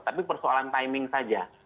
tapi persoalan timing saja